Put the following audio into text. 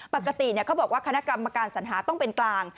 ปกติเขาบอกว่าคณะกรรมการสัญหาต้องเป็นกลาง